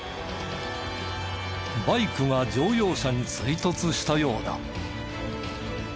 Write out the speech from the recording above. バイクが乗用車に追突したようだ。